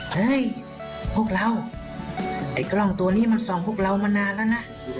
เฮ้ยพวกเราไอ้กล้องตัวนี้มันส่องพวกเรามานานแล้วนะ